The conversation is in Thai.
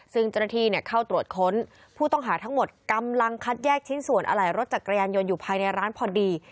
ซึ่งเจ้าหน้าที่เข้าตรวจค้นผู้ต้องหาทั้งหมดกำลังคัดแยกชิ้นส่วนอะไหล่รถจักรยานยนต์อยู่ภายในร้านพอดี